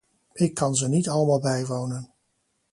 Ik kan ze niet allemaal bijwonen.